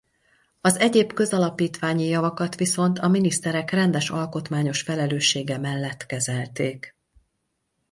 Az egyéb közalapítványi javakat viszont a miniszterek rendes alkotmányos felelőssége mellett kezelték.